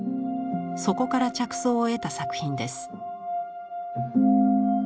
そこから着想を得た作品です。